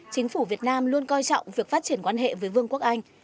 chính phủ việt nam luôn coi trọng việc phát triển quan hệ với vương quốc anh